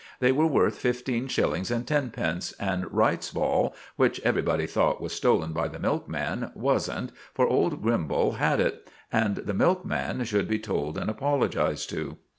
They were worth fifteen shillings and tenpence; and Wright's ball, which everybody thought was stolen by the milkman, wasn't, for old Grimbal's got it; and the milkman should be told and apologized to.